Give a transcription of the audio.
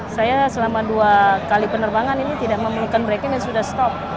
saya selama dua kali penerbangan ini tidak memerlukan breaking dan sudah stop